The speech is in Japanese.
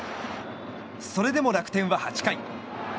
それでも楽天は８回。